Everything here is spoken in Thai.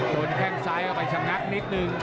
แข้งซ้ายเข้าไปชะงักนิดนึง